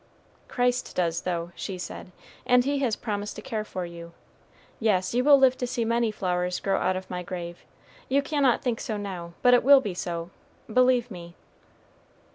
"Christ does, though," she said; "and He has promised to care for you. Yes, you will live to see many flowers grow out of my grave. You cannot think so now; but it will be so believe me."